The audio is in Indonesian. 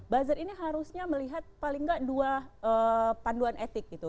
buzzer ini harusnya melihat paling nggak dua panduan etik gitu